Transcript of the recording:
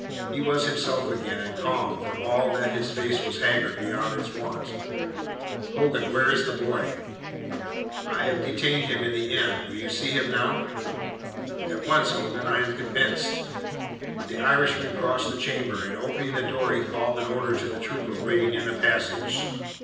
He was himself again, and calm, for all that his face was haggard beyond its wont. "Hogan, where is the boy?" "I have detained him in the inn. Will you see him now?" "At once, Hogan. I am convinced." The Irishman crossed the chamber, and opening the door he called an order to the trooper waiting in the passage.